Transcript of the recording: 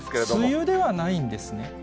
梅雨ではないんですね？